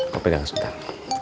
kau pegang sebentar